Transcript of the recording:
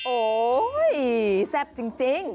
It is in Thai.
โอ้โหแซ่บจริง